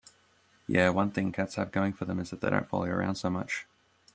Yeah, one thing cats have going for them is that they don't follow you around so much.